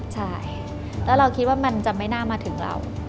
ใช่แล้วเราคิดว่ามันจะไม่น่ามาถึงเรา